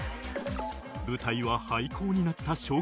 舞台は廃校になった小学校